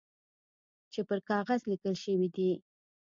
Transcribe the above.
چي پر کاغذ لیکل شوي دي .